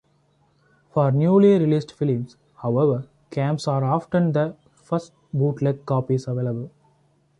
For newly released films, however, cams are often the first bootleg copies available.